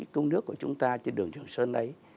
công nước của chúng ta trên đường trường sơn đấy